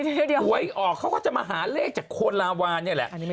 เดี๋ยวหวยออกเขาก็จะมาหาเลขจากโคนลาวานเนี่ยแหละ